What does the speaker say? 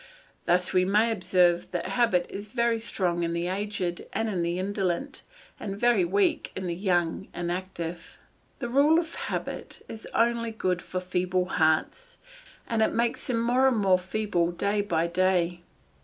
Thus we may observe that habit is very strong in the aged and in the indolent, and very weak in the young and active. The rule of habit is only good for feeble hearts, and it makes them more and more feeble day by day.